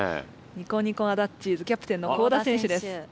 ニコニコあだっちーずキャプテンの江田選手です。